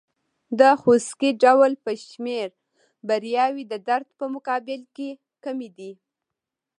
د خوسکي ډول په شمېر بریاوې د درد په مقابل کې کمې دي.